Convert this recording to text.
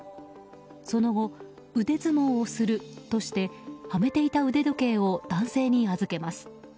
その後、腕相撲をするとしてはめていた腕時計を男性に預けます。